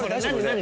何？